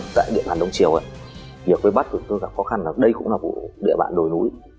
tại địa bàn đông triều việc vây bắt của tôi gặp khó khăn là đây cũng là địa bàn đồi núi